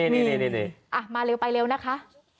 นี่มาเร็วไปเร็วนะคะ